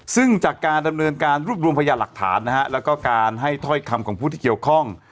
ซึ่งจากการดำเนินการรวบรวมพยานหลักฐานนะฮะแล้วก็การให้ถ้อยคำของผู้ที่เกี่ยวข้อง